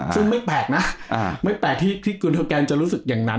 คือไม่แสบนะว่าจะรู้สึกอย่างนั้น